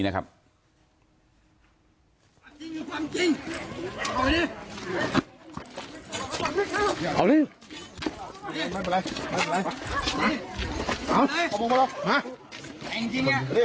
เอาเลยดิข้องกันดิ